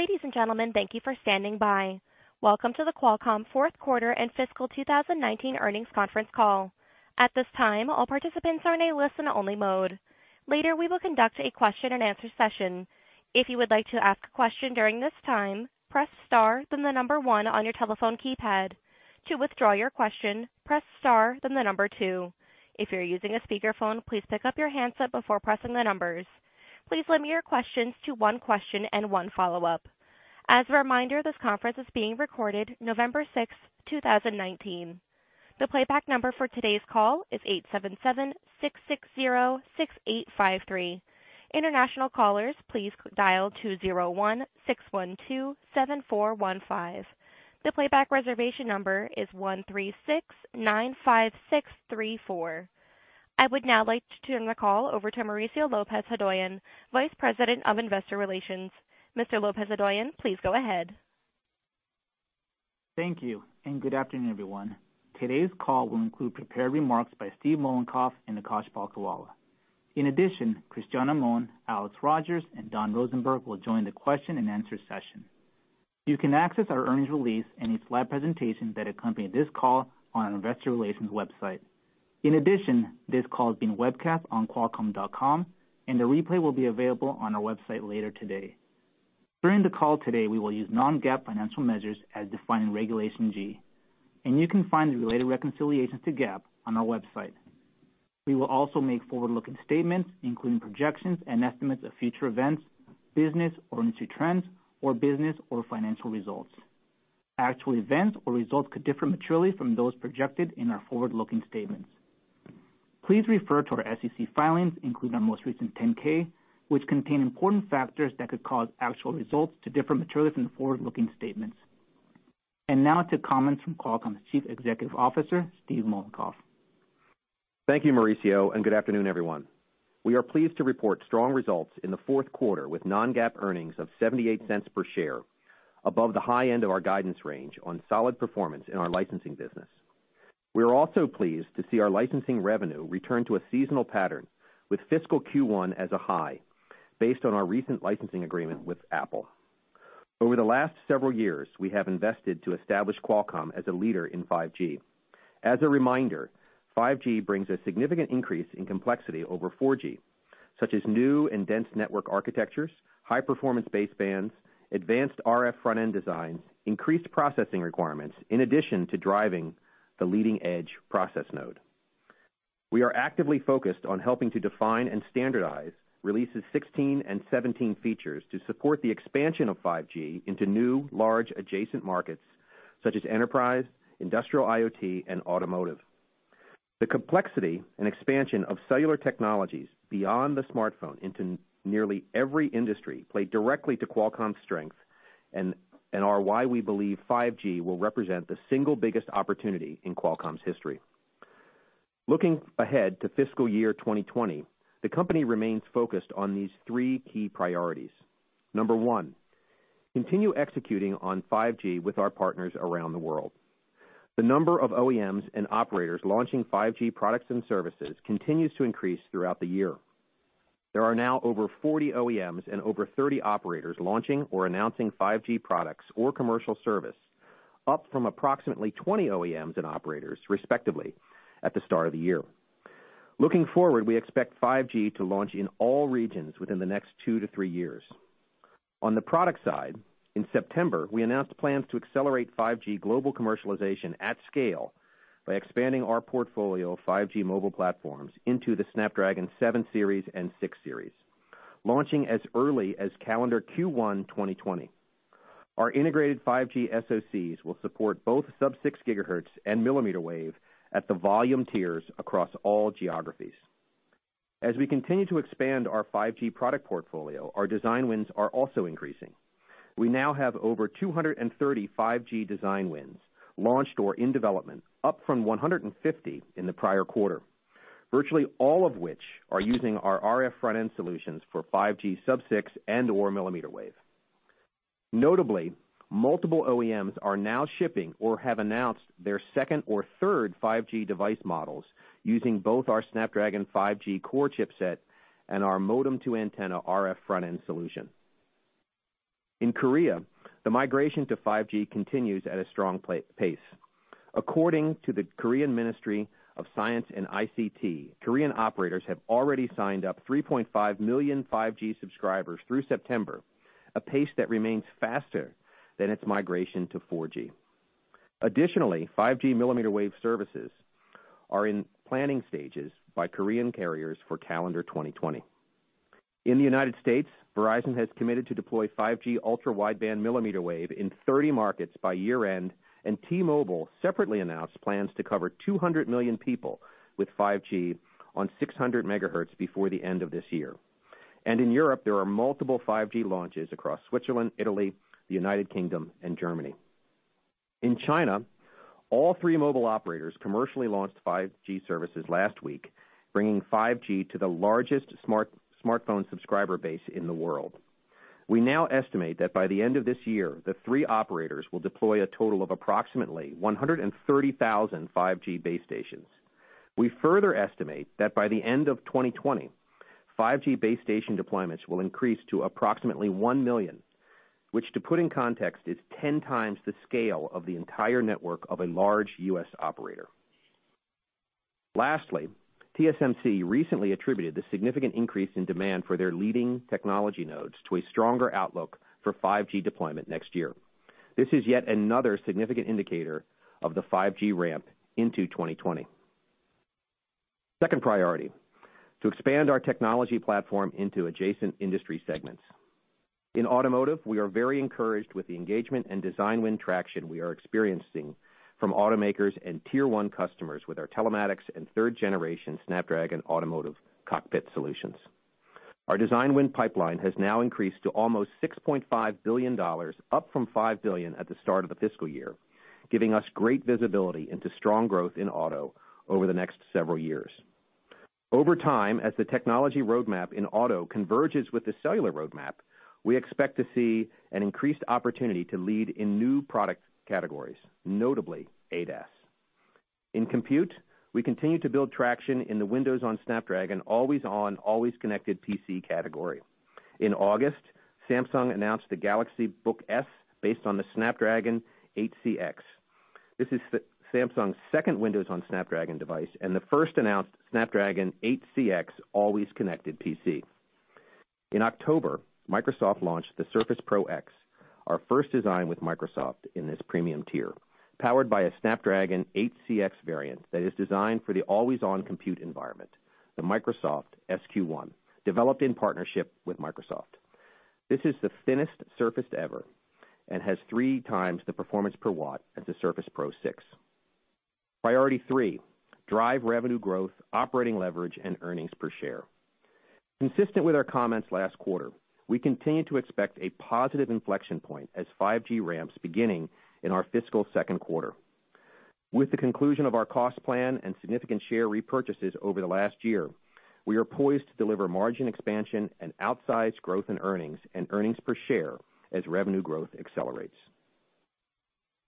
Ladies and gentlemen, thank you for standing by. Welcome to the Qualcomm fourth quarter and fiscal 2019 earnings conference call. At this time, all participants are in a listen-only mode. Later, we will conduct a question-and-answer session. If you would like to ask a question during this time, press star then the number one on your telephone keypad. To withdraw your question, press star then the number two. If you're using a speakerphone, please pick up your handset before pressing the numbers. Please limit your questions to one question and one follow-up. As a reminder, this conference is being recorded November 6th, 2019. The playback number for today's call is 877-660-6853. International callers, please dial 201-612-7415. The playback reservation number is 136-95634. I would now like to turn the call over to Mauricio Lopez-Hodoyan, Vice President of Investor Relations. Mr. Lopez-Hodoyan, please go ahead. Thank you. Good afternoon, everyone. Today's call will include prepared remarks by Steve Mollenkopf and Akash Palkhiwala. In addition, Cristiano Amon, Alex Rogers, and Don Rosenberg will join the question-and-answer session. You can access our earnings release and a slide presentation that accompany this call on our Investor Relations website. In addition, this call is being webcast on qualcomm.com, and the replay will be available on our website later today. During the call today, we will use non-GAAP financial measures as defined in Regulation G, and you can find the related reconciliations to GAAP on our website. We will also make forward-looking statements, including projections and estimates of future events, business or industry trends, or business or financial results. Actual events or results could differ materially from those projected in our forward-looking statements. Please refer to our SEC filings, including our most recent 10-K, which contain important factors that could cause actual results to differ materially from the forward-looking statements. Now to comments from Qualcomm's Chief Executive Officer, Steve Mollenkopf. Thank you, Mauricio. Good afternoon, everyone. We are pleased to report strong results in the fourth quarter with non-GAAP earnings of $0.78 per share, above the high end of our guidance range on solid performance in our licensing business. We are also pleased to see our licensing revenue return to a seasonal pattern with fiscal Q1 as a high based on our recent licensing agreement with Apple. Over the last several years, we have invested to establish Qualcomm as a leader in 5G. As a reminder, 5G brings a significant increase in complexity over 4G, such as new and dense network architectures, high-performance basebands, advanced RF front-end designs, increased processing requirements, in addition to driving the leading-edge process node. We are actively focused on helping to define and standardize Releases 16 and 17 features to support the expansion of 5G into new, large adjacent markets such as enterprise, industrial IoT, and automotive. The complexity and expansion of cellular technologies beyond the smartphone into nearly every industry play directly to Qualcomm's strength and are why we believe 5G will represent the single biggest opportunity in Qualcomm's history. Looking ahead to fiscal year 2020, the company remains focused on these three key priorities. Number one, continue executing on 5G with our partners around the world. The number of OEMs and operators launching 5G products and services continues to increase throughout the year. There are now over 40 OEMs and over 30 operators launching or announcing 5G products or commercial service, up from approximately 20 OEMs and operators, respectively, at the start of the year. Looking forward, we expect 5G to launch in all regions within the next two to three years. On the product side, in September, we announced plans to accelerate 5G global commercialization at scale by expanding our portfolio of 5G mobile platforms into the Snapdragon 7 Series and 6 Series, launching as early as calendar Q1 2020. Our integrated 5G SoCs will support both sub-6 GHz and millimeter wave at the volume tiers across all geographies. As we continue to expand our 5G product portfolio, our design wins are also increasing. We now have over 230 5G design wins launched or in development, up from 150 in the prior quarter, virtually all of which are using our RF front-end solutions for 5G sub-6 and/or millimeter wave. Notably, multiple OEMs are now shipping or have announced their second or third 5G device models using both our Snapdragon 5G core chipset and our modem-to-antenna RF front-end solution. In Korea, the migration to 5G continues at a strong pace. According to the Korean Ministry of Science and ICT, Korean operators have already signed up 3.5 million 5G subscribers through September, a pace that remains faster than its migration to 4G. Additionally, 5G millimeter wave services are in planning stages by Korean carriers for calendar 2020. In the United States, Verizon has committed to deploy 5G ultra wideband millimeter wave in 30 markets by year-end. T-Mobile separately announced plans to cover 200 million people with 5G on 600 MHz before the end of this year. In Europe, there are multiple 5G launches across Switzerland, Italy, United Kingdom, and Germany. In China, all three mobile operators commercially launched 5G services last week, bringing 5G to the largest smartphone subscriber base in the world. We now estimate that by the end of this year, the three operators will deploy a total of approximately 130,000 5G base stations. We further estimate that by the end of 2020, 5G base station deployments will increase to approximately 1 million, which to put in context, is 10 times the scale of the entire network of a large U.S. operator. Lastly, TSMC recently attributed the significant increase in demand for their leading technology nodes to a stronger outlook for 5G deployment next year. This is yet another significant indicator of the 5G ramp into 2020. Second priority, to expand our technology platform into adjacent industry segments. In automotive, we are very encouraged with the engagement and design win traction we are experiencing from automakers and Tier 1 customers with our telematics and third-generation Snapdragon automotive cockpit solutions. Our design win pipeline has now increased to almost $6.5 billion, up from $5 billion at the start of the fiscal year, giving us great visibility into strong growth in auto over the next several years. Over time, as the technology roadmap in auto converges with the cellular roadmap, we expect to see an increased opportunity to lead in new product categories, notably ADAS. In compute, we continue to build traction in the Windows on Snapdragon Always On, Always Connected PC category. In August, Samsung announced the Galaxy Book S based on the Snapdragon 8cx. This is Samsung's second Windows on Snapdragon device and the first announced Snapdragon 8cx Always Connected PC. In October, Microsoft launched the Surface Pro X, our first design with Microsoft in this premium tier, powered by a Snapdragon 8cx variant that is designed for the always-on compute environment, the Microsoft SQ1, developed in partnership with Microsoft. This is the thinnest Surface ever and has 3x the performance per watt as the Surface Pro 6. Priority three, drive revenue growth, operating leverage, and earnings per share. Consistent with our comments last quarter, we continue to expect a positive inflection point as 5G ramps beginning in our fiscal second quarter. With the conclusion of our cost plan and significant share repurchases over the last year, we are poised to deliver margin expansion and outsized growth in earnings and earnings per share as revenue growth accelerates.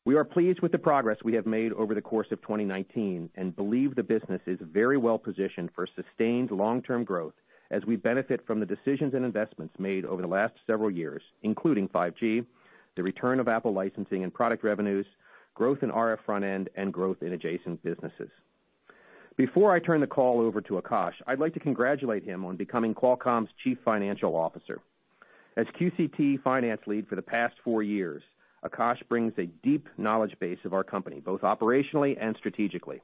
We are pleased with the progress we have made over the course of 2019 and believe the business is very well positioned for sustained long-term growth as we benefit from the decisions and investments made over the last several years, including 5G, the return of Apple licensing and product revenues, growth in RF front-end, and growth in adjacent businesses. Before I turn the call over to Akash, I'd like to congratulate him on becoming Qualcomm's Chief Financial Officer. As QCT finance lead for the past four years, Akash brings a deep knowledge base of our company, both operationally and strategically.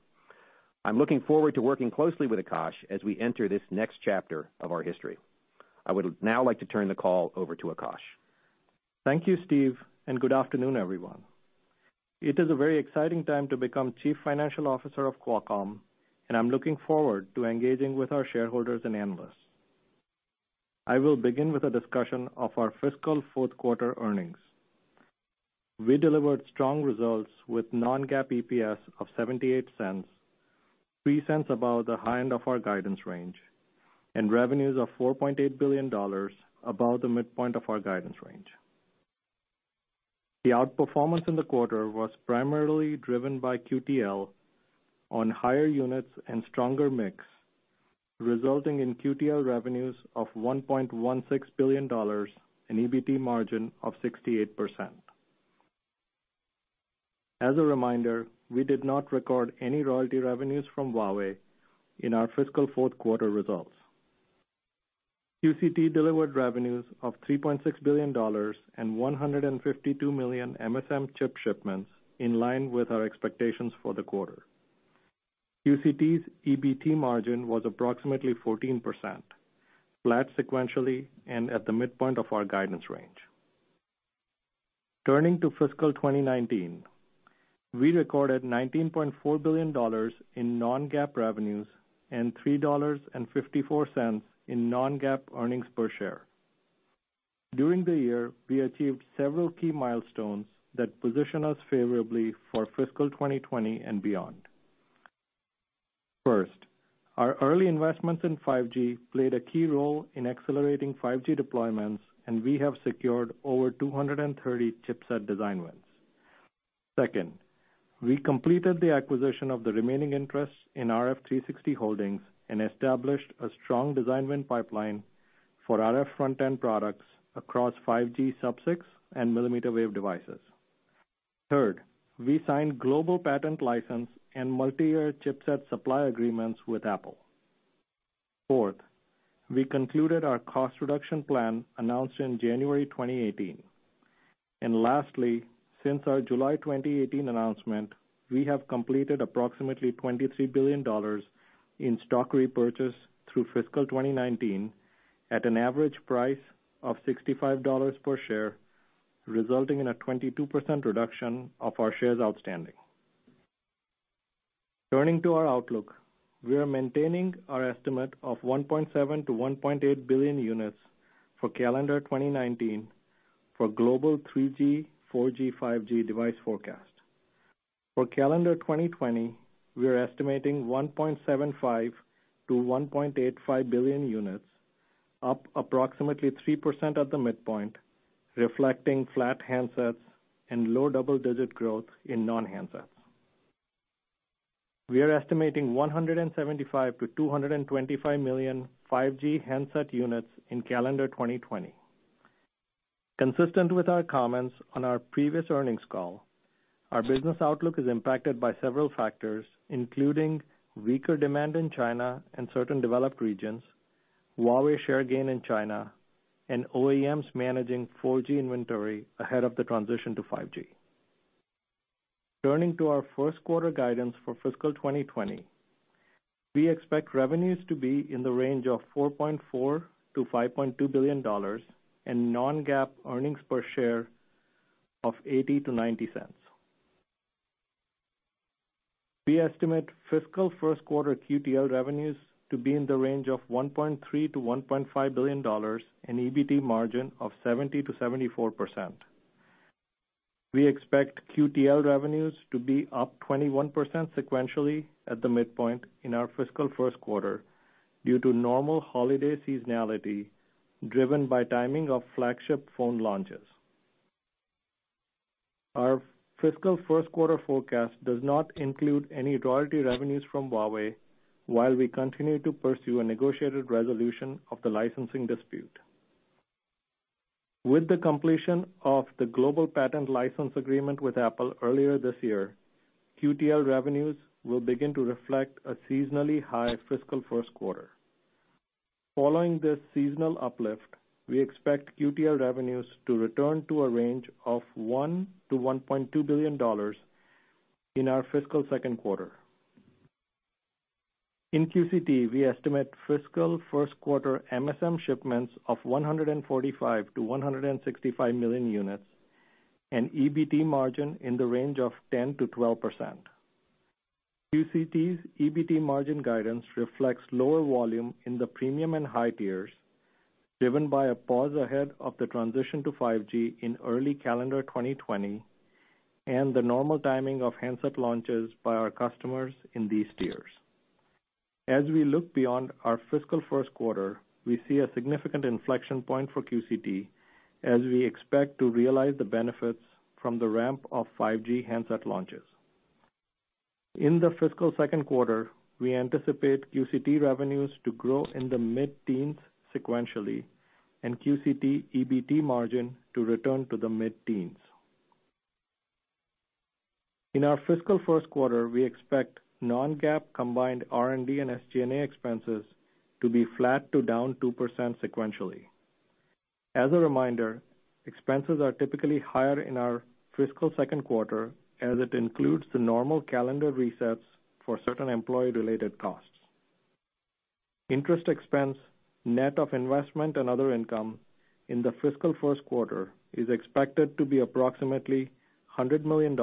I'm looking forward to working closely with Akash as we enter this next chapter of our history. I would now like to turn the call over to Akash. Thank you, Steve. Good afternoon, everyone. It is a very exciting time to become Chief Financial Officer of Qualcomm, and I'm looking forward to engaging with our shareholders and analysts. I will begin with a discussion of our fiscal fourth quarter earnings. We delivered strong results with non-GAAP EPS of $0.78, $0.03 above the high end of our guidance range. Revenues of $4.8 billion, above the midpoint of our guidance range. The outperformance in the quarter was primarily driven by QTL on higher units and stronger mix, resulting in QTL revenues of $1.16 billion, an EBT margin of 68%. As a reminder, we did not record any royalty revenues from Huawei in our fiscal fourth quarter results. QCT delivered revenues of $3.6 billion and 152 million MSM chip shipments in line with our expectations for the quarter. QCT's EBT margin was approximately 14%, flat sequentially, and at the midpoint of our guidance range. Turning to fiscal 2019, we recorded $19.4 billion in non-GAAP revenues and $3.54 in non-GAAP earnings per share. During the year, we achieved several key milestones that position us favorably for fiscal 2020 and beyond. First, our early investments in 5G played a key role in accelerating 5G deployments, and we have secured over 230 chipset design wins. Second, we completed the acquisition of the remaining interest in RF360 Holdings and established a strong design win pipeline for RF front-end products across 5G sub-6 and millimeter wave devices. Third, we signed global patent license and multi-year chipset supply agreements with Apple. Fourth, we concluded our cost reduction plan announced in January 2018. Lastly, since our July 2018 announcement, we have completed approximately $23 billion in stock repurchase through fiscal 2019 at an average price of $65 per share, resulting in a 22% reduction of our shares outstanding. Turning to our outlook, we are maintaining our estimate of 1.7 billion-1.8 billion units for calendar 2019 for global 3G, 4G, 5G device forecast. For calendar 2020, we are estimating 1.75 billion-1.85 billion units, up approximately 3% at the midpoint, reflecting flat handsets and low double-digit growth in non-handsets. We are estimating 175 million-225 million 5G handset units in calendar 2020. Consistent with our comments on our previous earnings call, our business outlook is impacted by several factors, including weaker demand in China and certain developed regions, Huawei share gain in China, and OEMs managing 4G inventory ahead of the transition to 5G. Turning to our first quarter guidance for fiscal 2020. We expect revenues to be in the range of $4.4 billion-$5.2 billion, and non-GAAP earnings per share of $0.80-$0.90. We estimate fiscal first quarter QTL revenues to be in the range of $1.3 billion-$1.5 billion, an EBT margin of 70%-74%. We expect QTL revenues to be up 21% sequentially at the midpoint in our fiscal first quarter due to normal holiday seasonality driven by timing of flagship phone launches. Our fiscal first quarter forecast does not include any royalty revenues from Huawei while we continue to pursue a negotiated resolution of the licensing dispute. With the completion of the global patent license agreement with Apple earlier this year, QTL revenues will begin to reflect a seasonally high fiscal first quarter. Following this seasonal uplift, we expect QTL revenues to return to a range of $1 billion-$1.2 billion in our fiscal second quarter. In QCT, we estimate fiscal first quarter MSM shipments of 145 million-165 million units and EBT margin in the range of 10%-12%. QCT's EBT margin guidance reflects lower volume in the premium and high tiers, driven by a pause ahead of the transition to 5G in early calendar 2020 and the normal timing of handset launches by our customers in these tiers. As we look beyond our fiscal first quarter, we see a significant inflection point for QCT as we expect to realize the benefits from the ramp of 5G handset launches. In the fiscal second quarter, we anticipate QCT revenues to grow in the mid-teens sequentially and QCT EBT margin to return to the mid-teens. In our fiscal first quarter, we expect non-GAAP combined R&D and SG&A expenses to be flat to down 2% sequentially. As a reminder, expenses are typically higher in our fiscal second quarter, as it includes the normal calendar resets for certain employee-related costs. Interest expense, net of investment and other income in the fiscal first quarter is expected to be approximately $100 million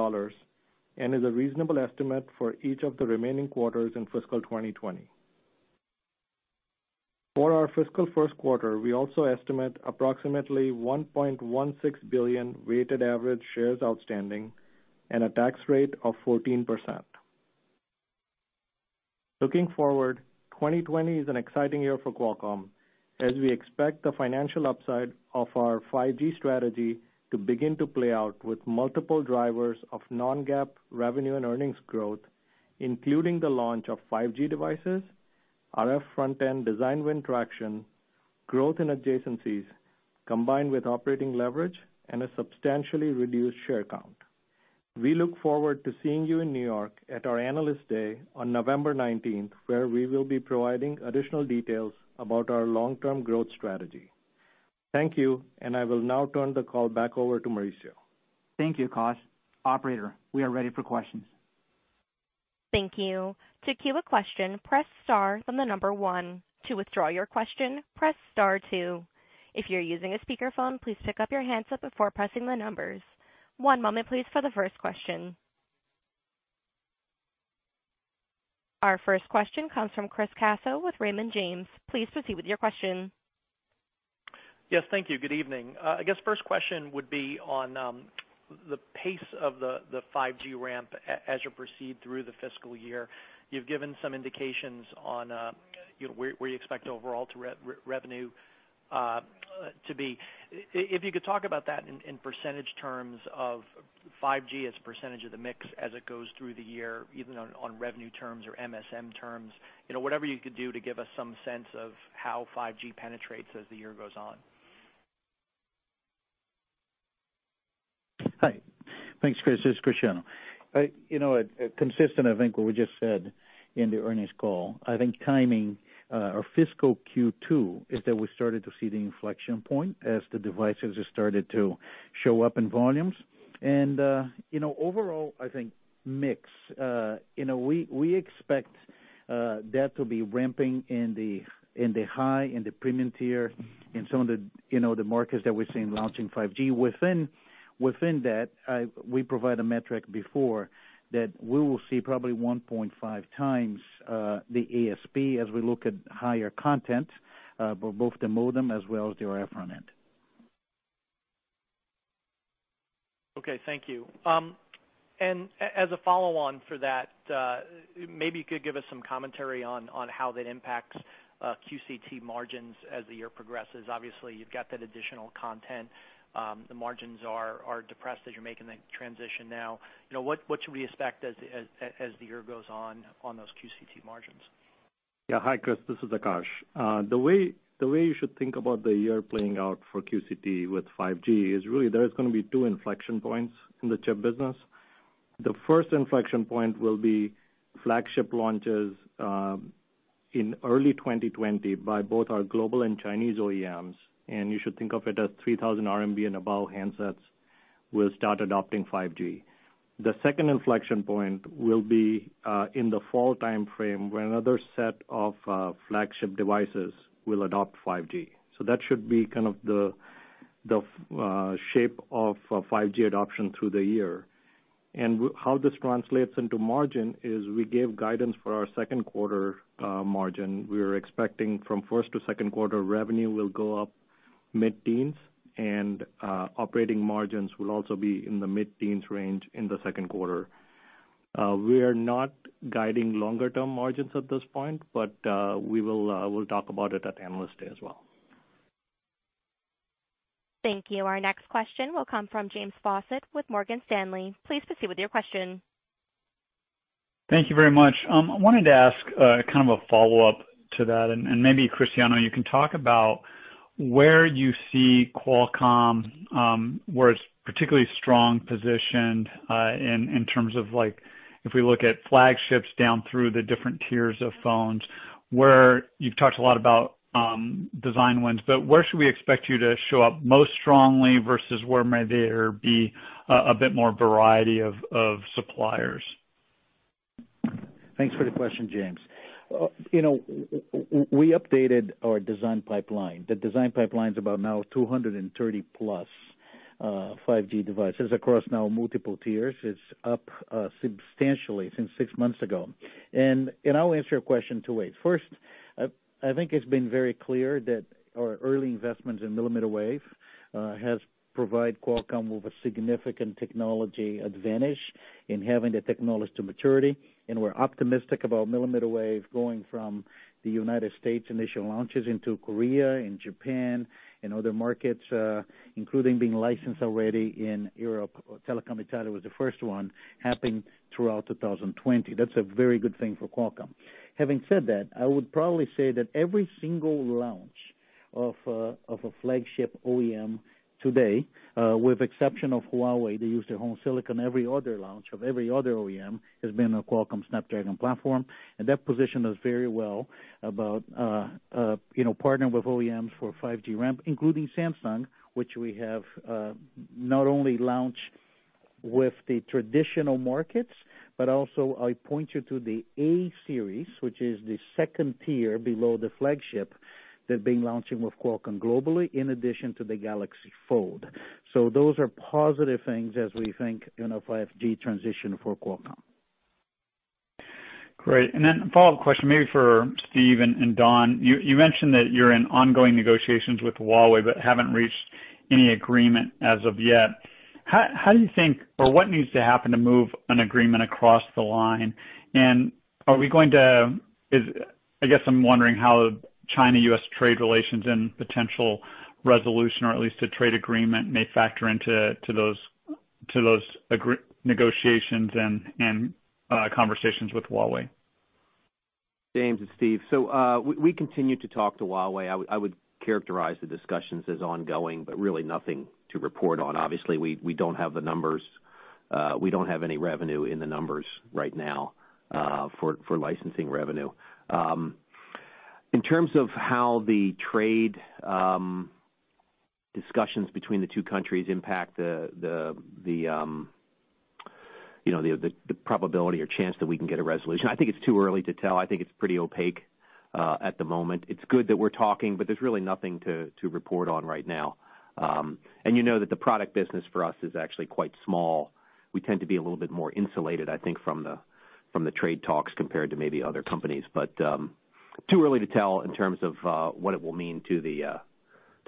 and is a reasonable estimate for each of the remaining quarters in fiscal 2020. For our fiscal first quarter, we also estimate approximately 1.16 billion weighted average shares outstanding and a tax rate of 14%. Looking forward, 2020 is an exciting year for Qualcomm as we expect the financial upside of our 5G strategy to begin to play out with multiple drivers of non-GAAP revenue and earnings growth, including the launch of 5G devices, RF front-end design win traction, growth in adjacencies, combined with operating leverage and a substantially reduced share count. We look forward to seeing you in New York at our Analyst Day on November 19, where we will be providing additional details about our long-term growth strategy. Thank you. I will now turn the call back over to Mauricio. Thank you, Akash. Operator, we are ready for questions. Thank you. To queue a question, press star then the number one. To withdraw your question, press star two. If you're using a speakerphone, please pick up your handset before pressing the numbers. One moment, please, for the first question. Our first question comes from Chris Caso with Raymond James. Please proceed with your question. Yes, thank you. Good evening. I guess first question would be on the pace of the 5G ramp as you proceed through the fiscal year. You've given some indications on where you expect overall revenue to be. If you could talk about that in percentage terms of 5G as a percentage of the mix as it goes through the year, even on revenue terms or MSM terms? Whatever you could do to give us some sense of how 5G penetrates as the year goes on. Hi. Thanks, Chris. It's Cristiano. Consistent, I think, what we just said in the earnings call. I think timing our fiscal Q2 is that we started to see the inflection point as the devices have started to show up in volumes. Overall, I think mix, we expect that to be ramping in the premium tier in some of the markets that we're seeing launching 5G. Within that, we provide a metric before that we will see probably 1.5x the ASP as we look at higher content, both the modem as well as the RF front-end. Okay, thank you. As a follow-on for that, maybe you could give us some commentary on how that impacts QCT margins as the year progresses. Obviously, you've got that additional content. The margins are depressed as you're making the transition now. What should we expect as the year goes on those QCT margins? Yeah. Hi, Chris. This is Akash. The way you should think about the year playing out for QCT with 5G is really, there's going to be two inflection points in the chip business. The first inflection point will be flagship launches in early 2020 by both our global and Chinese OEMs, and you should think of it as 3,000 RMB and above handsets will start adopting 5G. The second inflection point will be in the fall timeframe, when another set of flagship devices will adopt 5G. That should be kind of the shape of 5G adoption through the year. How this translates into margin is we gave guidance for our second quarter margin. We are expecting from first to second quarter, revenue will go up mid-teens. Operating margins will also be in the mid-teens range in the second quarter. We are not guiding longer term margins at this point, but we'll talk about it at Analyst Day as well. Thank you. Our next question will come from James Faucette with Morgan Stanley. Please proceed with your question. Thank you very much. I wanted to ask kind of a follow-up to that. Maybe Cristiano, you can talk about where you see Qualcomm, where it's particularly strong positioned in terms of if we look at flagships down through the different tiers of phones, where you've talked a lot about design wins, but where should we expect you to show up most strongly versus where may there be a bit more variety of suppliers? Thanks for the question, James. We updated our design pipeline. The design pipeline's about now 230+ 5G devices across now multiple tiers. It's up substantially since six months ago. I'll answer your question two ways. First, I think it's been very clear that our early investments in millimeter wave has provide Qualcomm with a significant technology advantage in having the technology to maturity, and we're optimistic about millimeter wave going from the United States initial launches into Korea and Japan and other markets, including being licensed already in Europe. Telecom Italia was the first one, happening throughout 2020. That's a very good thing for Qualcomm. Having said that, I would probably say that every single launch of a flagship OEM today, with exception of Huawei, they use their own silicon, every other launch of every other OEM has been a Qualcomm Snapdragon platform. That position is very well about partnering with OEMs for 5G ramp, including Samsung, which we have not only launched with the traditional markets, but also I point you to the A series, which is the second tier below the flagship, they've been launching with Qualcomm globally in addition to the Galaxy Fold. Those are positive things as we think in a 5G transition for Qualcomm. Great. Then a follow-up question maybe for Steve and Don. You mentioned that you're in ongoing negotiations with Huawei but haven't reached any agreement as of yet. How do you think, or what needs to happen to move an agreement across the line? I guess I'm wondering how China-U.S. trade relations and potential resolution, or at least a trade agreement, may factor into those negotiations and conversations with Huawei? James, it's Steve. We continue to talk to Huawei. I would characterize the discussions as ongoing, but really nothing to report on. Obviously, we don't have any revenue in the numbers right now for licensing revenue. In terms of how the trade discussions between the two countries impact the probability or chance that we can get a resolution, I think it's too early to tell. I think it's pretty opaque at the moment. It's good that we're talking, but there's really nothing to report on right now. You know that the product business for us is actually quite small. We tend to be a little bit more insulated, I think, from the trade talks compared to maybe other companies. Too early to tell in terms of what it will mean to the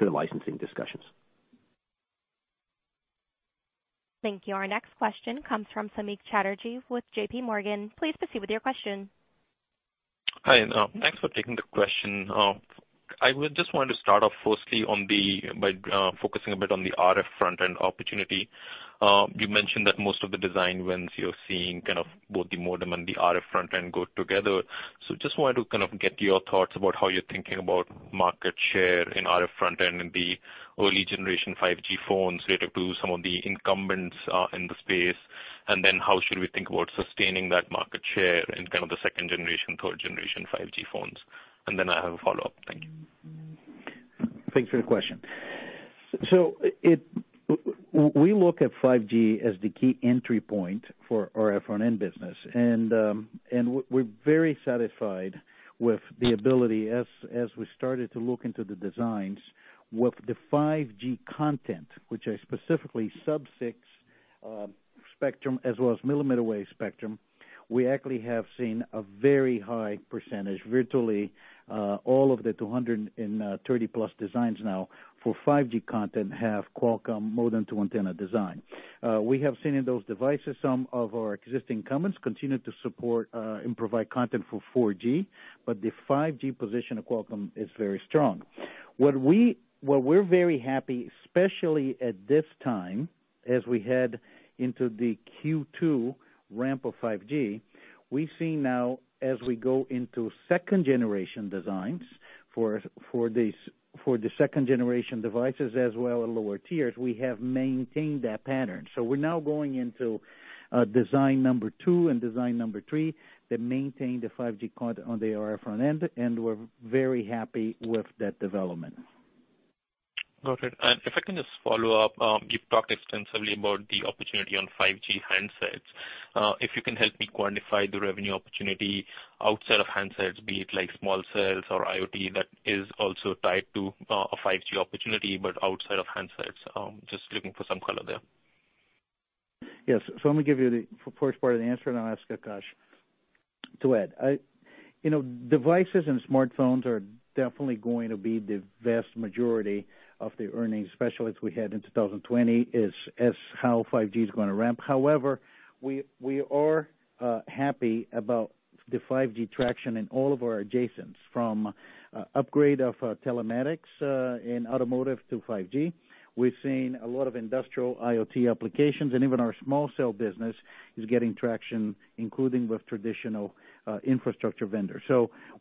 licensing discussions. Thank you. Our next question comes from Samik Chatterjee with JPMorgan. Please proceed with your question. Hi, thanks for taking the question. I would just want to start off firstly by focusing a bit on the RF front-end opportunity. You mentioned that most of the design wins you're seeing kind of both the modem and the RF front-end go together. Just wanted to kind of get your thoughts about how you're thinking about market share in RF front-end in the early generation 5G phones related to some of the incumbents in the space? How should we think about sustaining that market share in kind of the second-generation, third-generation 5G phones? I have a follow-up. Thank you. Thanks for the question. We look at 5G as the key entry point for our RF front-end business. We're very satisfied with the ability, as we started to look into the designs with the 5G content, which are specifically sub-6 spectrum as well as millimeter wave spectrum. We actually have seen a very high percentage, virtually all of the 230+ designs now for 5G content have Qualcomm modem-to-antenna design. We have seen in those devices some of our existing incumbents continue to support and provide content for 4G, but the 5G position of Qualcomm is very strong. What we're very happy, especially at this time as we head into the Q2 ramp of 5G, we see now as we go into second-generation designs for the second-generation devices as well as lower tiers, we have maintained that pattern. We're now going into design number two and design number three that maintain the 5G content on the RF front-end, and we're very happy with that development. Got it. If I can just follow up, you've talked extensively about the opportunity on 5G handsets. If you can help me quantify the revenue opportunity outside of handsets? Be it like small cells or IoT that is also tied to a 5G opportunity, but outside of handsets. Just looking for some color there. Yes. Let me give you the first part of the answer, and then I'll ask Akash to add. Devices and smartphones are definitely going to be the vast majority of the earnings, especially as we head into 2020, as how 5G is going to ramp. However, we are happy about the 5G traction in all of our adjacents, from upgrade of telematics in automotive to 5G. We're seeing a lot of industrial IoT applications, and even our small cell business is getting traction, including with traditional infrastructure vendors.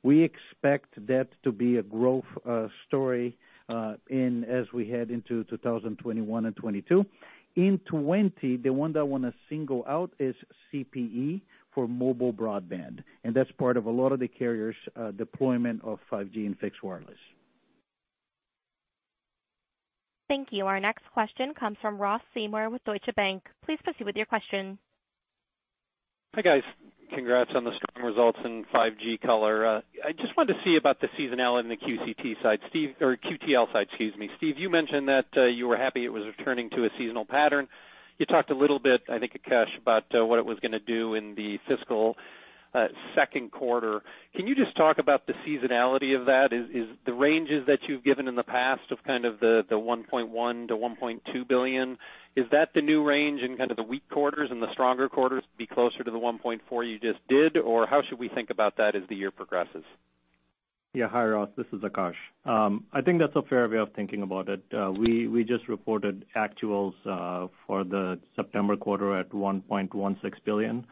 We expect that to be a growth story as we head into 2021 and 2022. In 2020, the one that I want to single out is CPE for mobile broadband, and that's part of a lot of the carriers deployment of 5G and fixed wireless. Thank you. Our next question comes from Ross Seymore with Deutsche Bank. Please proceed with your question. Hi, guys. Congrats on the strong results in 5G color. I just wanted to see about the seasonality in the QCT side, or QTL side, excuse me. Steve, you mentioned that you were happy it was returning to a seasonal pattern. You talked a little bit, I think, Akash, about what it was gonna do in the fiscal second quarter. Can you just talk about the seasonality of that? Is the ranges that you've given in the past of kind of the $1.1 billion-$1.2 billion, is that the new range in kind of the weak quarters and the stronger quarters to be closer to the $1.4 billion you just did, or how should we think about that as the year progresses? Yeah. Hi, Ross. This is Akash. I think that's a fair way of thinking about it. We just reported actuals for the September quarter at $1.16 billion,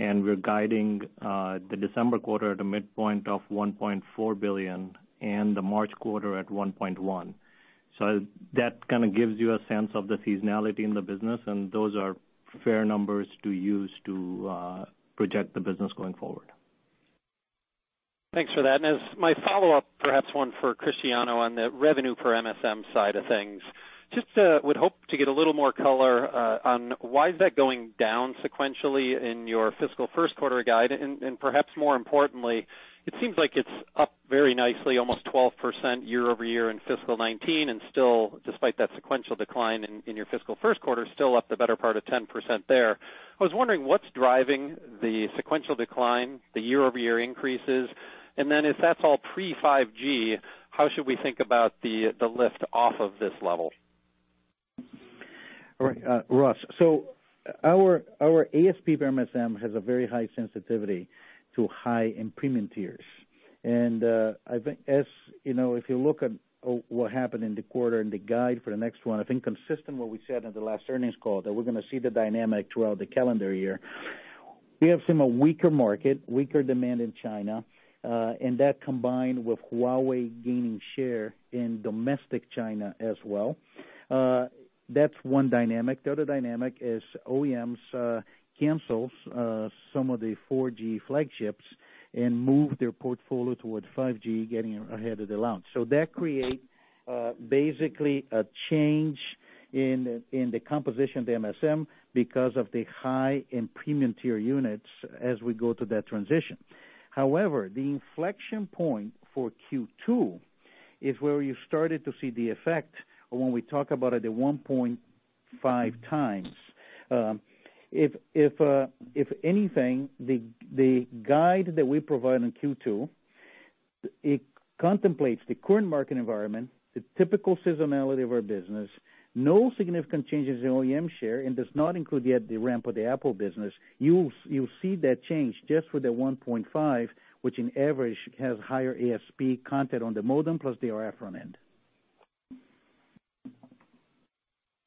and we're guiding the December quarter at a midpoint of $1.4 billion and the March quarter at $1.1 billion. That kind of gives you a sense of the seasonality in the business, and those are fair numbers to use to project the business going forward. Thanks for that. As my follow-up, perhaps one for Cristiano on the revenue per MSM side of things. Just would hope to get a little more color on why is that going down sequentially in your fiscal first quarter guide? Perhaps more importantly, it seems like it's up very nicely, almost 12% year-over-year in fiscal 2019, and still despite that sequential decline in your fiscal first quarter, still up the better part of 10% there. I was wondering what's driving the sequential decline, the year-over-year increases? Then, if that's all pre-5G, how should we think about the lift off of this level? All right. Ross. Our ASP per MSM has a very high sensitivity to high and premium tiers. As you know, if you look at what happened in the quarter and the guide for the next one, I think consistent what we said in the last earnings call, that we're going to see the dynamic throughout the calendar year. We have seen a weaker market, weaker demand in China, and that combined with Huawei gaining share in domestic China as well. That's one dynamic. The other dynamic is OEMs cancels some of the 4G flagships and move their portfolio towards 5G getting ahead of the launch. That create basically a change in the composition of the MSM because of the high and premium tier units as we go through that transition. However, the inflection point for Q2 is where you started to see the effect of when we talk about it at 1.5x. If anything, the guide that we provide in Q2, it contemplates the current market environment, the typical seasonality of our business, no significant changes in OEM share, and does not include yet the ramp of the Apple business. You'll see that change just with the 1.5x, which in average has higher ASP content on the modem plus the RF front-end.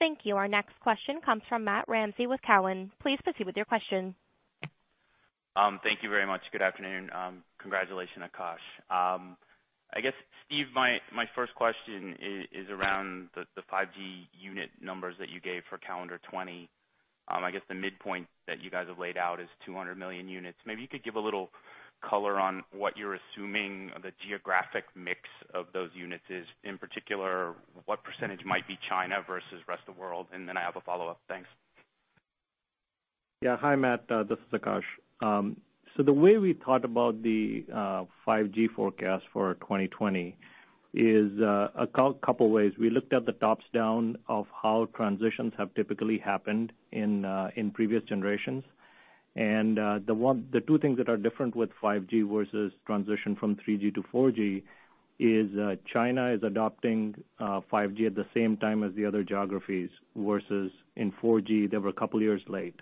Thank you. Our next question comes from Matt Ramsay with Cowen. Please proceed with your question. Thank you very much. Good afternoon. Congratulations, Akash. I guess, Steve, my first question is around the 5G unit numbers that you gave for calendar 2020. I guess the midpoint that you guys have laid out is 200 million units. Maybe you could give a little color on what you're assuming the geographic mix of those units is, in particular, what percentage might be China versus rest of world? Then I have a follow-up. Thanks. Hi, Matt. This is Akash. The way we thought about the 5G forecast for 2020 is a couple of ways. We looked at the tops down of how transitions have typically happened in previous generations. The two things that are different with 5G versus transition from 3G to 4G is China is adopting 5G at the same time as the other geographies, versus in 4G, they were a couple of years late.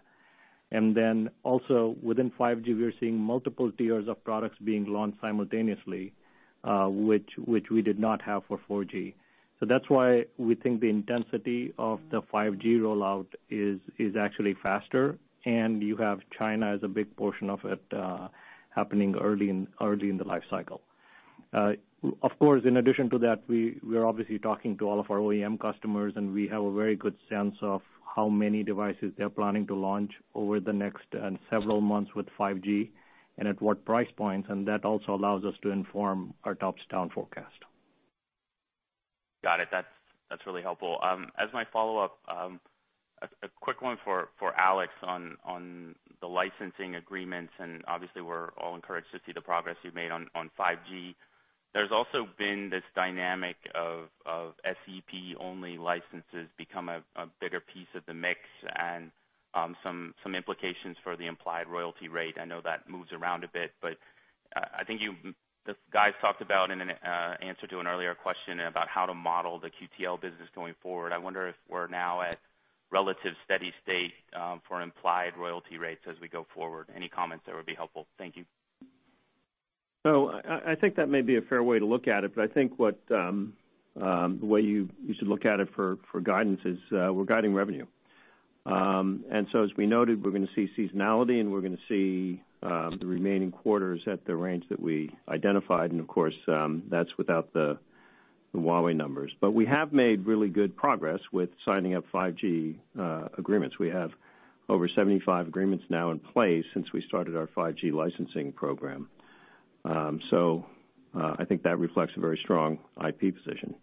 Also within 5G, we are seeing multiple tiers of products being launched simultaneously, which we did not have for 4G. That's why we think the intensity of the 5G rollout is actually faster, and you have China as a big portion of it happening early in the life cycle. Of course, in addition to that, we are obviously talking to all of our OEM customers, and we have a very good sense of how many devices they're planning to launch over the next several months with 5G and at what price points, and that also allows us to inform our tops-down forecast. Got it. That's really helpful. As my follow-up, a quick one for Alex on the licensing agreements, obviously, we're all encouraged to see the progress you've made on 5G. There's also been this dynamic of SEP-only licenses become a bigger piece of the mix and some implications for the implied royalty rate. I know that moves around a bit, I think you guys talked about in an answer to an earlier question about how to model the QTL business going forward. I wonder if we're now at relative steady state for implied royalty rates as we go forward? Any comments there would be helpful. Thank you. I think that may be a fair way to look at it, but I think the way you should look at it for guidance is we're guiding revenue. As we noted, we're going to see seasonality and we're going to see the remaining quarters at the range that we identified. Of course, that's without the Huawei numbers. We have made really good progress with signing up 5G agreements. We have over 75 agreements now in place since we started our 5G licensing program. I think that reflects a very strong IP position.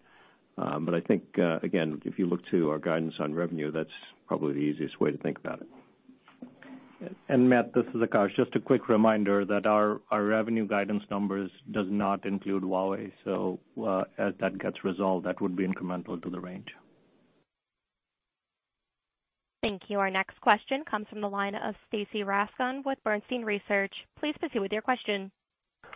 I think, again, if you look to our guidance on revenue, that's probably the easiest way to think about it. Matt, this is Akash. Just a quick reminder that our revenue guidance numbers does not include Huawei. As that gets resolved, that would be incremental to the range. Thank you. Our next question comes from the line of Stacy Rasgon with Bernstein Research. Please proceed with your question.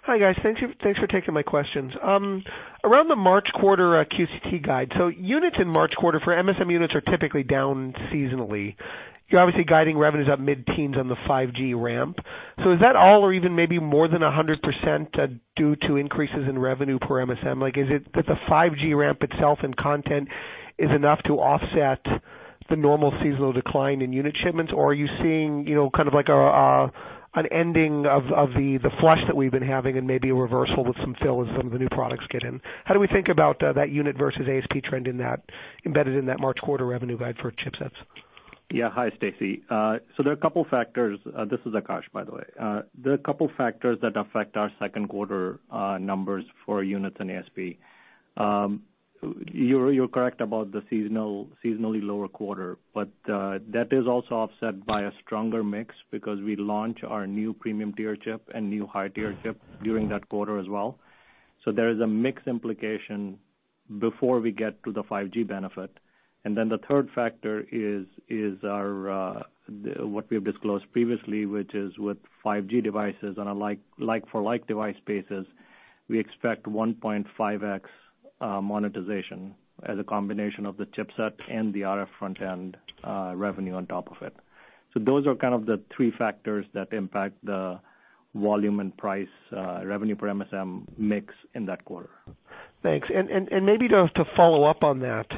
Hi, guys. Thanks for taking my questions. Around the March quarter QCT guide. Units in March quarter for MSM units are typically down seasonally. You're obviously guiding revenues up mid-teens on the 5G ramp. Is that all or even maybe more than 100% due to increases in revenue per MSM? Like, is it that the 5G ramp itself and content is enough to offset the normal seasonal decline in unit shipments? Are you seeing kind of like an ending of the flush that we've been having and maybe a reversal with some fill as some of the new products get in? How do we think about that unit versus ASP trend embedded in that March quarter revenue guide for chipsets? Hi, Stacy. This is Akash, by the way. There are a couple factors that affect our second quarter numbers for units and ASP. You're correct about the seasonally lower quarter, but that is also offset by a stronger mix because we launch our new premium tier chip and new high-tier chip during that quarter as well. There is a mix implication before we get to the 5G benefit. The third factor is what we have disclosed previously, which is with 5G devices on a like-for-like device basis, we expect 1.5x monetization as a combination of the chipset and the RF front-end revenue on top of it. Those are kind of the three factors that impact the volume and price revenue per MSM mix in that quarter. Thanks. Maybe to follow up on that.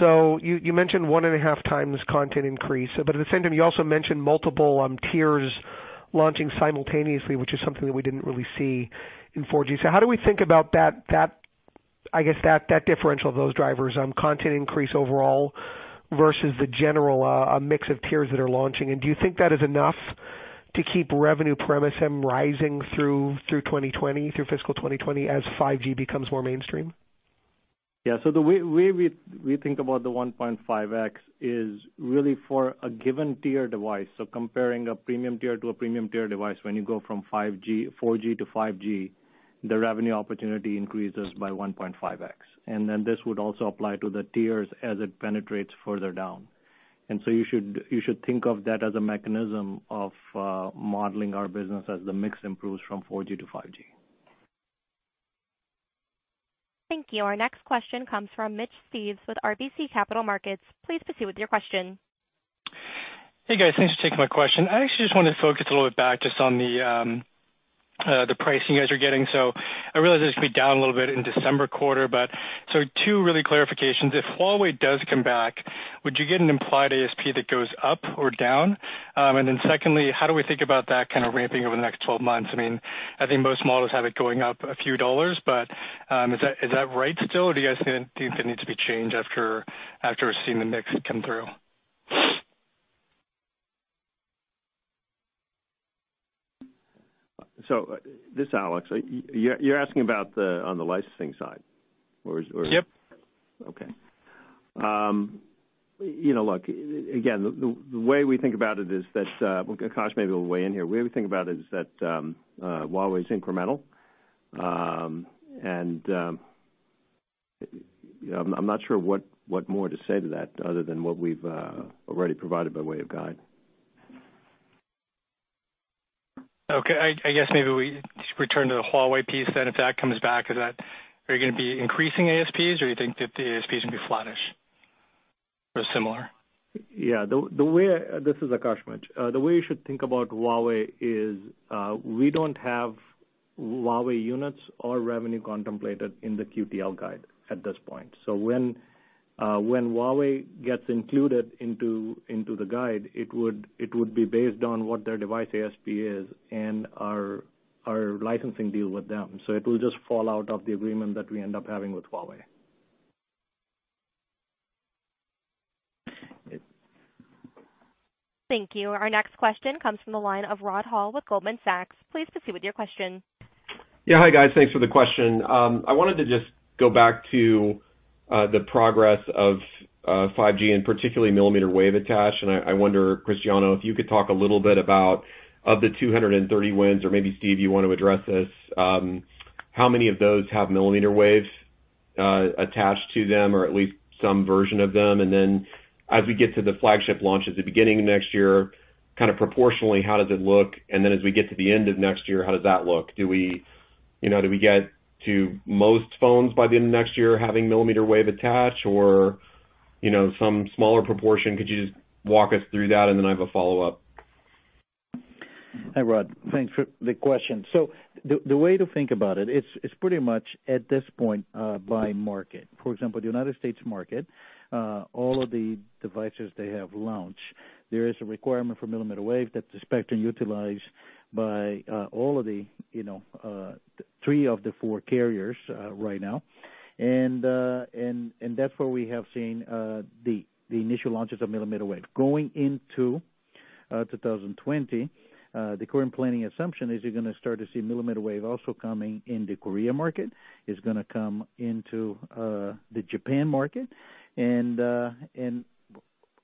You mentioned 1.5x content increase, but at the same time, you also mentioned multiple tiers launching simultaneously, which is something that we didn't really see in 4G. How do we think about that differential of those drivers on content increase overall versus the general mix of tiers that are launching? Do you think that is enough to keep revenue per MSM rising through fiscal 2020 as 5G becomes more mainstream? The way we think about the 1.5x is really for a given tier device. Comparing a premium tier to a premium tier device, when you go from 4G to 5G, the revenue opportunity increases by 1.5x. This would also apply to the tiers as it penetrates further down. You should think of that as a mechanism of modeling our business as the mix improves from 4G to 5G. Thank you. Our next question comes from Mitch Steves with RBC Capital Markets. Please proceed with your question. Hey, guys. Thanks for taking my question. I actually just want to focus a little bit back just on the pricing you guys are getting. I realize it's going to be down a little bit in December quarter, but two really clarifications. If Huawei does come back, would you get an implied ASP that goes up or down? Secondly, how do we think about that kind of ramping over the next 12 months? I think most models have it going up a few dollars, but is that right still? Do you guys think it needs to be changed after seeing the mix come through? This is Alex. You're asking about on the licensing side? Or- Yep. Okay. Look, again, the way we think about it is that, Akash maybe will weigh in here. The way we think about it is that Huawei's incremental, and I'm not sure what more to say to that other than what we've already provided by way of guide. Okay. I guess maybe we return to the Huawei piece then. If that comes back, are you going to be increasing ASPs or you think that the ASPs will be flattish or similar? Yeah. This is Akash, Mitch. The way you should think about Huawei is we don't have Huawei units or revenue contemplated in the QTL guide at this point. When Huawei gets included into the guide, it would be based on what their device ASP is and our licensing deal with them. It will just fall out of the agreement that we end up having with Huawei. Thank you. Our next question comes from the line of Rod Hall with Goldman Sachs. Please proceed with your question. Hi, guys. Thanks for the question. I wanted to just go back to the progress of 5G and particularly millimeter wave attach. I wonder, Cristiano, if you could talk a little bit about of the 230 wins, or maybe Steve, you want to address this. How many of those have millimeter waves attached to them, or at least some version of them? As we get to the flagship launch at the beginning of next year, kind of proportionally, how does it look? As we get to the end of next year, how does that look? Do we get to most phones by the end of next year having millimeter wave attached or some smaller proportion? Could you just walk us through that, and then I have a follow-up. Hi, Rod. Thanks for the question. The way to think about it's pretty much at this point by market. For example, the United States market, all of the devices they have launched, there is a requirement for millimeter wave that's the spectrum utilized by three of the four carriers right now. That's where we have seen the initial launches of millimeter wave. Going into 2020, the current planning assumption is you're going to start to see millimeter wave also coming in the Korea market. It's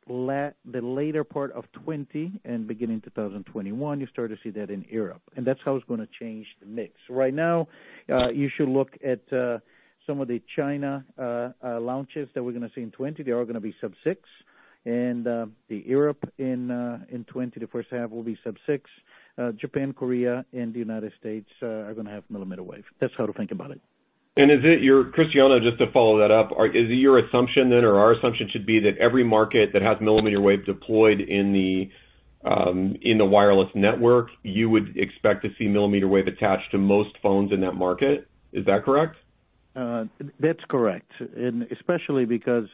going to come into the Japan market. The later part of 2020 and beginning 2021, you start to see that in Europe. That's how it's going to change the mix. Right now, you should look at some of the China launches that we're going to see in 2020. They are all going to be sub-6. The Europe in 2020, the first half will be sub-6. Japan, Korea, and the United States are going to have millimeter wave. That's how to think about it. Cristiano, just to follow that up. Is it your assumption then, or our assumption should be that every market that has millimeter wave deployed in the wireless network, you would expect to see millimeter wave attached to most phones in that market? Is that correct? That's correct. Especially because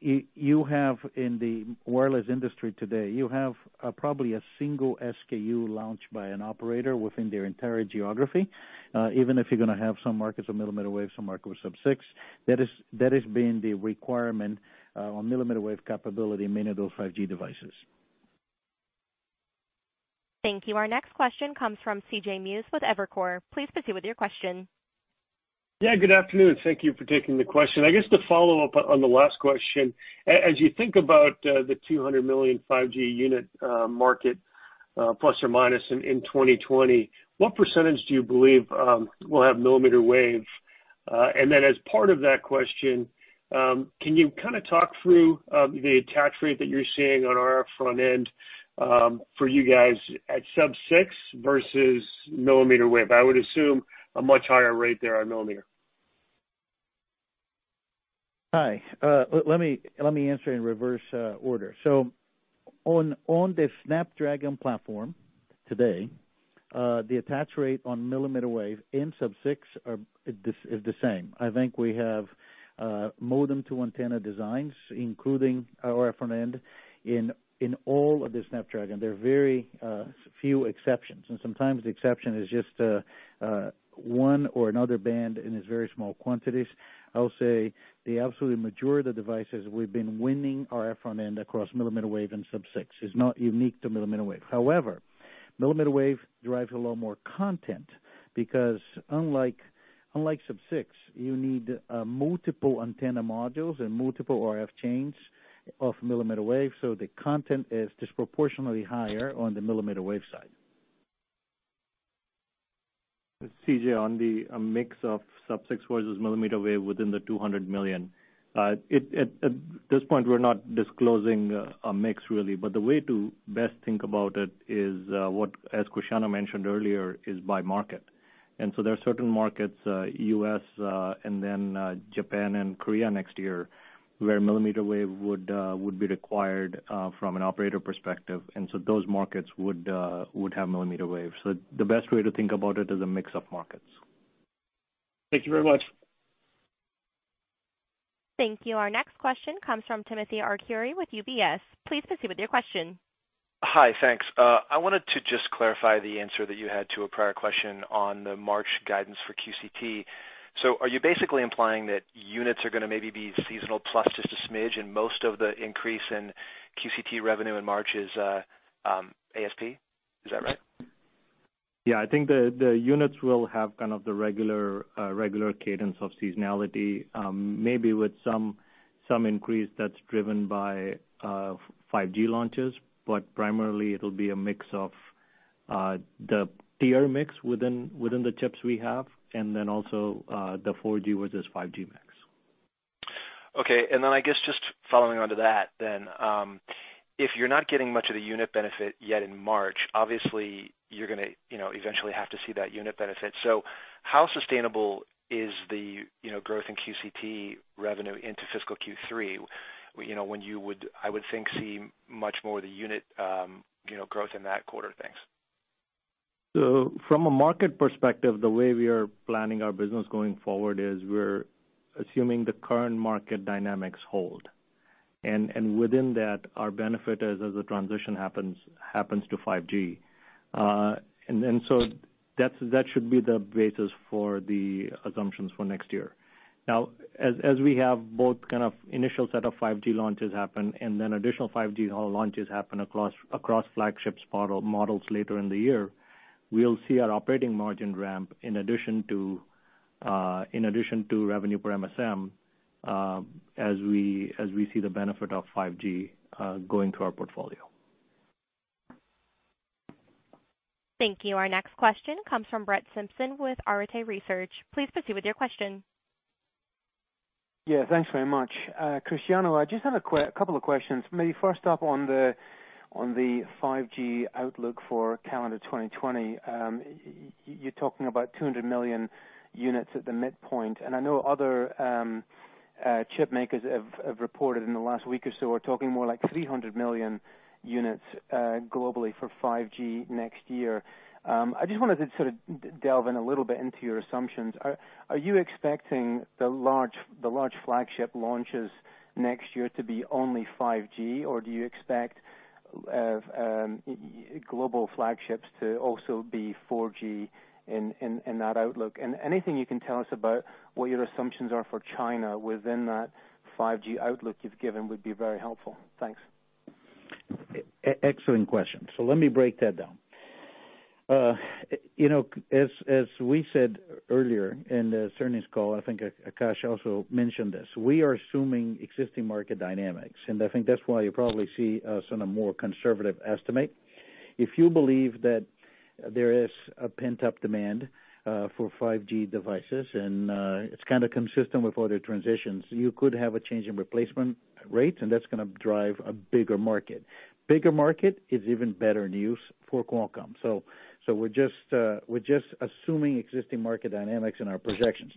in the wireless industry today, you have probably a single SKU launch by an operator within their entire geography, even if you're going to have some markets with millimeter wave, some market with sub-6. That has been the requirement on millimeter wave capability in many of those 5G devices. Thank you. Our next question comes from C.J. Muse with Evercore. Please proceed with your question. Yeah. Good afternoon. Thank you for taking the question. I guess to follow up on the last question, as you think about the 200 million 5G unit market, plus or minus in 2020, what percentage do you believe will have millimeter wave? As part of that question, can you kind of talk through the attach rate that you're seeing on RF front-end for you guys at sub-6 versus millimeter wave? I would assume a much higher rate there on millimeter. Hi. Let me answer in reverse order. On the Snapdragon platform today, the attach rate on millimeter wave and sub-6 is the same. I think we have modem-to-antenna designs, including RF front-end in all of the Snapdragon. There are very few exceptions, and sometimes the exception is just one or another band and it's very small quantities. I'll say the absolute majority of the devices we've been winning RF front-end across millimeter wave and sub-6. It's not unique to millimeter wave. However, millimeter wave drives a little more content because unlike sub-6, you need multiple antenna modules and multiple RF chains of millimeter wave, so the content is disproportionately higher on the millimeter wave side. C.J., on the mix of sub-6 versus millimeter wave within the 200 million units. At this point, we're not disclosing a mix really. But the way to best think about it is what, as Cristiano mentioned earlier, is by market. There are certain markets, U.S. and then Japan and Korea next year, where millimeter wave would be required from an operator perspective, and so those markets would have millimeter wave. The best way to think about it is a mix of markets. Thank you very much. Thank you. Our next question comes from Timothy Arcuri with UBS. Please proceed with your question. Hi. Thanks. I wanted to just clarify the answer that you had to a prior question on the March guidance for QCT. Are you basically implying that units are going to maybe be seasonal plus just a smidge and most of the increase in QCT revenue in March is ASP? Is that right? Yeah, I think the units will have kind of the regular cadence of seasonality, maybe with some increase that's driven by 5G launches. Primarily it'll be a mix of the tier mix within the chips we have and then also the 4G with this 5G mix. Okay. I guess just following on to that then. If you're not getting much of the unit benefit yet in March, obviously you're going to eventually have to see that unit benefit. How sustainable is the growth in QCT revenue into fiscal Q3, when you would, I would think, see much more of the unit growth in that quarter? Thanks. From a market perspective, the way we are planning our business going forward is we're assuming the current market dynamics hold. Within that, our benefit as a transition happens to 5G. That should be the basis for the assumptions for next year. Now, as we have both kind of initial set of 5G launches happen, and then additional 5G launches happen across flagships models later in the year, we'll see our operating margin ramp in addition to revenue per MSM, as we see the benefit of 5G going through our portfolio. Thank you. Our next question comes from Brett Simpson with Arete Research. Please proceed with your question. Yeah, thanks very much. Cristiano, I just have a couple of questions. First up on the 5G outlook for calendar 2020. You're talking about 200 million units at the midpoint. I know other chip makers have reported in the last week or so are talking more like 300 million units globally for 5G next year. I just wanted to sort of delve in a little bit into your assumptions. Are you expecting the large flagship launches next year to be only 5G, or do you expect global flagships to also be 4G in that outlook? Anything you can tell us about what your assumptions are for China within that 5G outlook you've given would be very helpful. Thanks. Excellent question. Let me break that down. As we said earlier in the earnings call, I think Akash also mentioned this, we are assuming existing market dynamics. I think that's why you probably see us in a more conservative estimate. If you believe that there is a pent-up demand for 5G devices, and it's kind of consistent with other transitions, you could have a change in replacement rates. That's gonna drive a bigger market. Bigger market is even better news for Qualcomm. We're just assuming existing market dynamics in our projections.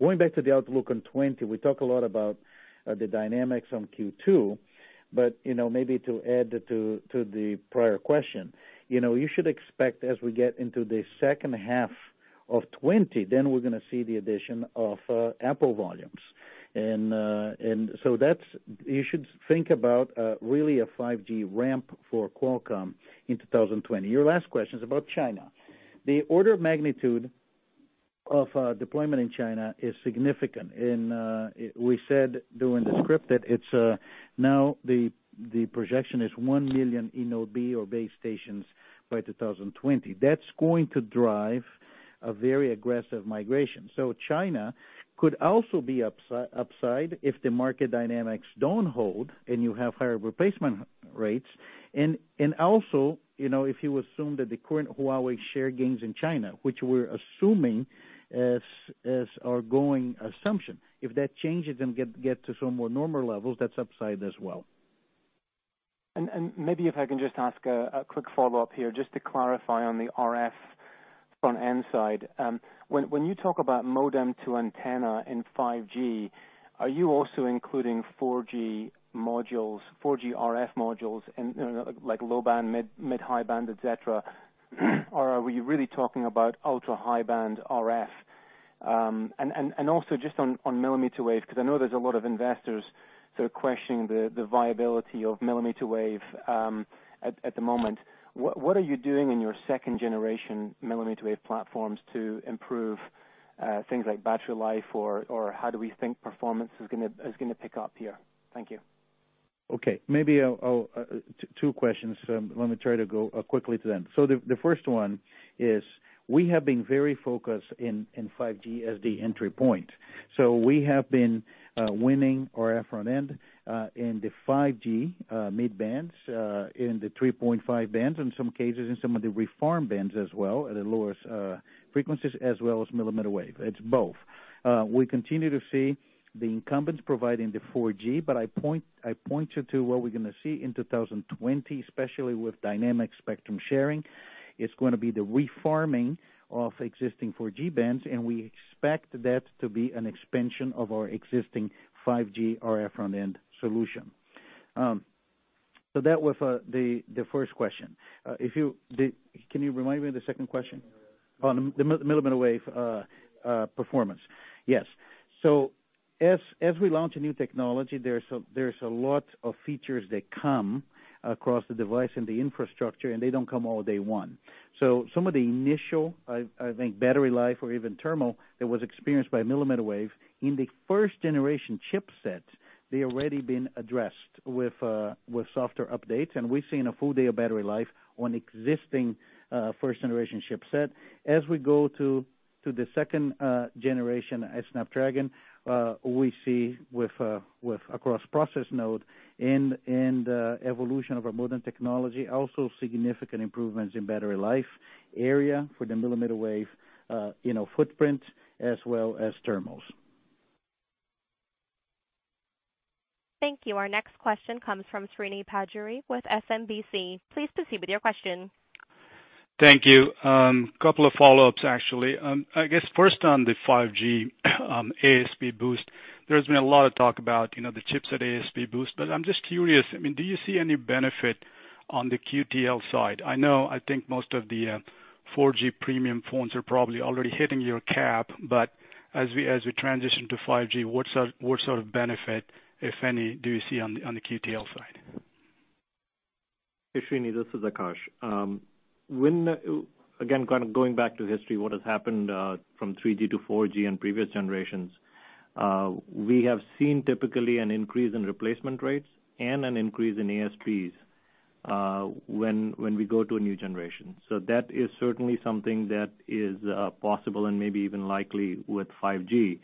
Going back to the outlook on 2020, we talk a lot about the dynamics on Q2. But maybe to add to the prior question, you should expect as we get into the second half of 2020, we're gonna see the addition of Apple volumes. That's, you should think about really a 5G ramp for Qualcomm in 2020. Your last question is about China. The order of magnitude of deployment in China is significant, and we said during the script that it's now the projection is 1 million eNodeB or base stations by 2020. That's going to drive a very aggressive migration. China could also be upside if the market dynamics don't hold and you have higher replacement rates. Also, if you assume that the current Huawei share gains in China, which we're assuming as our going assumption, if that changes and get to some more normal levels, that's upside as well. Maybe if I can just ask a quick follow-up here, just to clarify on the RF front-end side. When you talk about modem-to-antenna in 5G, are you also including 4G modules, 4G RF modules in like low band, mid, high band, et cetera? Are we really talking about ultra-high band RF? Also just on millimeter wave, because I know there's a lot of investors sort of questioning the viability of millimeter wave at the moment. What are you doing in your second-generation millimeter wave platforms to improve things like battery life or how do we think performance is gonna pick up here? Thank you. Okay. Two questions. Let me try to go quickly to them. The first one is, we have been very focused in 5G as the entry point. We have been winning RF front-end in the 5G mid bands, in the 3.5 bands, in some cases, in some of the reform bands as well, at the lowest frequencies, as well as millimeter wave. It's both. We continue to see the incumbents providing the 4G, but I point you to what we're gonna see in 2020, especially with dynamic spectrum sharing. It's gonna be the reforming of existing 4G bands, we expect that to be an expansion of our existing 5G RF front-end solution. That was the first question. Can you remind me of the second question? Oh, the millimeter wave performance. Yes. So As we launch a new technology, there's a lot of features that come across the device and the infrastructure, and they don't come all day one. Some of the initial, I think, battery life or even thermal that was experienced by millimeter wave in the first generation chipset, they've already been addressed with software updates. We've seen a full day of battery life on existing first-generation chipset. As we go to the second-generation Snapdragon, we see with across process node and evolution of our modem technology, also significant improvements in battery life area for the millimeter wave footprint as well as thermals. Thank you. Our next question comes from Srini Pajjuri with SMBC. Please proceed with your question. Thank you. Couple of follow-ups, actually. I guess first on the 5G ASP boost. There's been a lot of talk about the chipset ASP boost. I'm just curious, do you see any benefit on the QTL side? I know, I think most of the 4G premium phones are probably already hitting your cap. As we transition to 5G, what sort of benefit, if any, do you see on the QTL side? Hey, Srini, this is Akash. Again, going back to history, what has happened from 3G to 4G and previous generations, we have seen typically an increase in replacement rates and an increase in ASPs when we go to a new generation. That is certainly something that is possible and maybe even likely with 5G.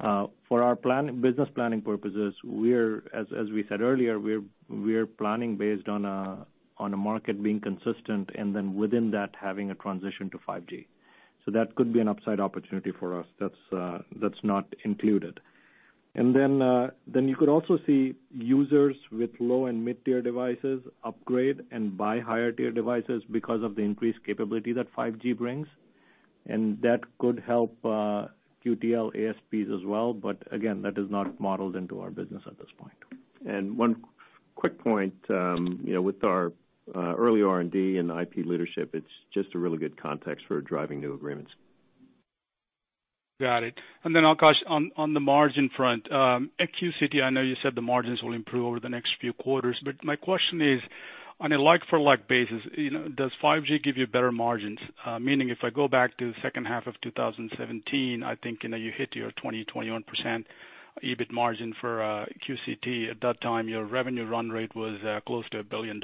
For our business planning purposes, as we said earlier, we're planning based on a market being consistent. Within that, having a transition to 5G. That could be an upside opportunity for us that's not included. Then you could also see users with low and mid-tier devices upgrade and buy higher tier devices because of the increased capability that 5G brings, and that could help QTL ASPs as well, again, that is not modeled into our business at this point. One quick point. With our early R&D and IP leadership, it's just a really good context for driving new agreements. Got it. Akash, on the margin front. At QCT, I know you said the margins will improve over the next few quarters, but my question is, on a like-for-like basis, does 5G give you better margins? Meaning, if I go back to the second half of 2017, I think you hit your 20%, 21% EBIT margin for QCT. At that time, your revenue run rate was close to $1 billion.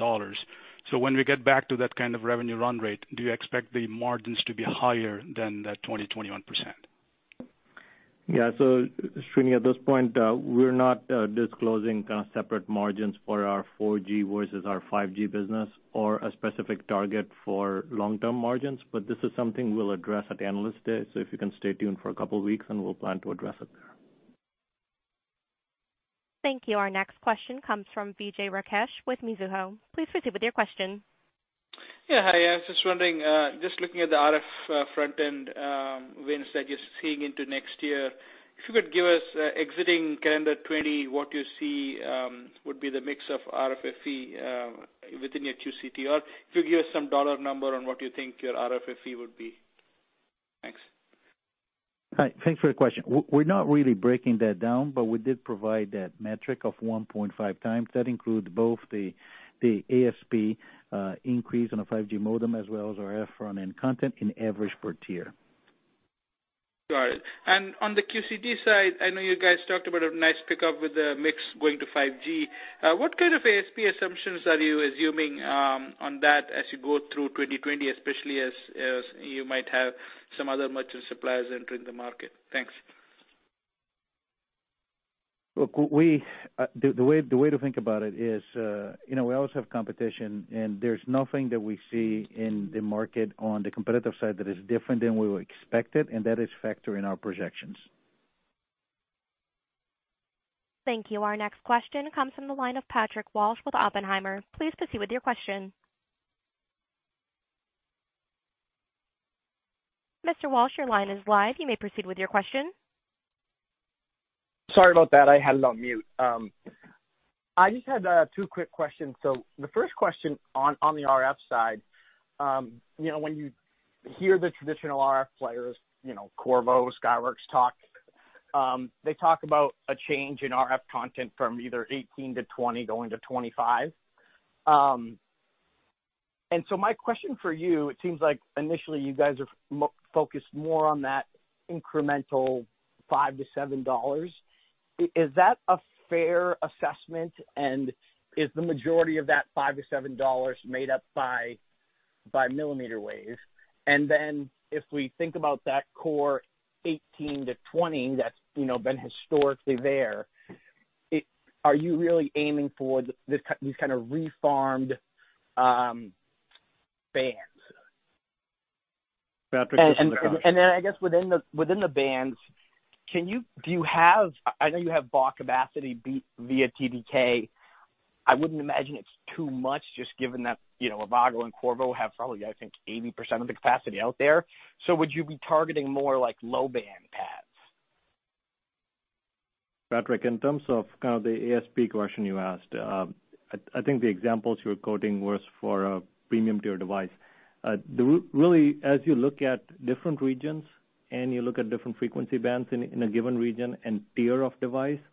When we get back to that kind of revenue run rate, do you expect the margins to be higher than that 20%, 21%? Yeah. Srini, at this point, we're not disclosing separate margins for our 4G versus our 5G business or a specific target for long-term margins. This is something we'll address at the Analyst Day. If you can stay tuned for a couple weeks and we'll plan to address it there. Thank you. Our next question comes from Vijay Rakesh with Mizuho. Please proceed with your question. Yeah. Hi. I was just wondering, just looking at the RF front-end wins that you're seeing into next year, if you could give us exiting calendar 2020, what you see would be the mix of RFFE within your QCT, or if you give us some dollar number on what you think your RFFE would be? Thanks. Hi. Thanks for your question. We're not really breaking that down. We did provide that metric of 1.5x. That includes both the ASP increase on a 5G modem, as well as our RF front-end content in average per tier. Got it. On the QCT side, I know you guys talked about a nice pickup with the mix going to 5G. What kind of ASP assumptions are you assuming on that as you go through 2020, especially as you might have some other merchant suppliers entering the market? Thanks. Look, the way to think about it is, we always have competition and there's nothing that we see in the market on the competitive side that is different than we expected, and that is factored in our projections. Thank you. Our next question comes from the line of Patrick Walsh with Oppenheimer. Please proceed with your question. Mr. Walsh, your line is live. You may proceed with your question. Sorry about that. I had it on mute. I just had two quick questions. The first question on the RF side. When you hear the traditional RF players, Qorvo, Skyworks, they talk about a change in RF content from either $18-$20 going to $25. My question for you, it seems like initially you guys are focused more on that incremental $5-$7. Is that a fair assessment, is the majority of that $5-$7 made up by millimeter wave? If we think about that core $18-$20 that's been historically there, are you really aiming for these kind of reformed bands? Yeah. I appreciate the question. I guess within the bands, I know you have block capacity via TDK. I wouldn't imagine it's too much just given that Avago and Qorvo have probably, I think, 80% of the capacity out there. Would you be targeting more like low band paths? Patrick, in terms of kind of the ASP question you asked, I think the examples you were quoting was for a premium tier device. As you look at different regions, and you look at different frequency bands in a given region and tier of device,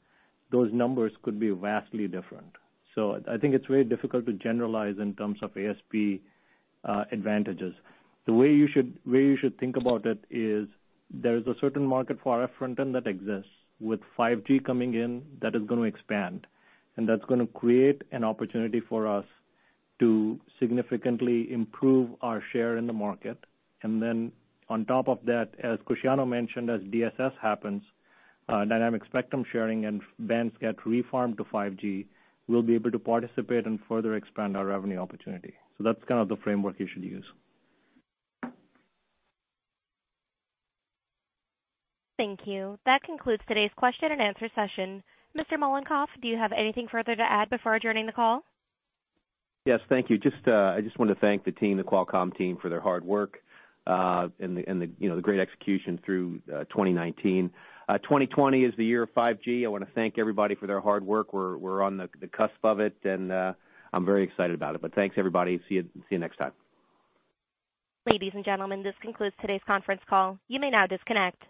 those numbers could be vastly different. I think it's very difficult to generalize in terms of ASP advantages. The way you should think about it is there is a certain market for RF front-end that exists. With 5G coming in, that is going to expand, and that's going to create an opportunity for us to significantly improve our share in the market. On top of that, as Cristiano mentioned, as DSS happens, dynamic spectrum sharing and bands get reformed to 5G, we'll be able to participate and further expand our revenue opportunity. That's kind of the framework you should use. Thank you. That concludes today's question-and-answer session. Mr. Mollenkopf, do you have anything further to add before adjourning the call? Yes. Thank you. I just want to thank the team, the Qualcomm team, for their hard work and the great execution through 2019. 2020 is the year of 5G. I want to thank everybody for their hard work. We're on the cusp of it, and I'm very excited about it. Thanks everybody. See you next time. Ladies and gentlemen, this concludes today's conference call. You may now disconnect.